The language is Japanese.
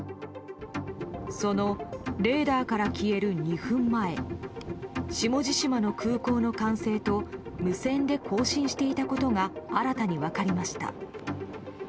そのレーダーから消える２分前下地島の空港の管制と無線で交信していたことが新たに分かりました。